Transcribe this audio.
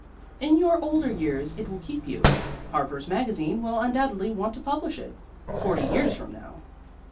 In your older years it will keep you. Harper's Magazine will undoubtedly want to publish it, forty years from now.